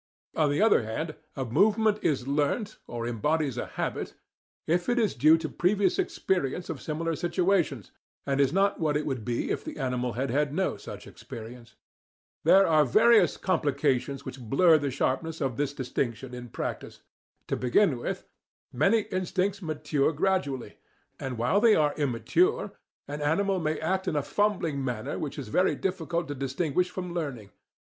On the other hand, a movement is "learnt," or embodies a "habit," if it is due to previous experience of similar situations, and is not what it would be if the animal had had no such experience. There are various complications which blur the sharpness of this distinction in practice. To begin with, many instincts mature gradually, and while they are immature an animal may act in a fumbling manner which is very difficult to distinguish from learning.